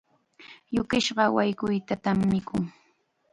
Yukisqa wayquytatam mikun.